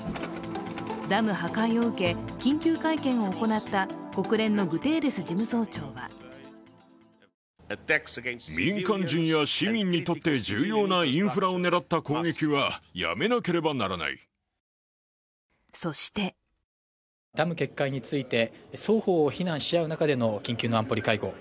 ダム破壊を受け、緊急会見を行った国連のグテーレス事務総長はそしてダム決壊について双方を非難し合う仲での緊急の安保理会合。